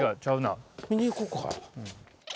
見に行こうか。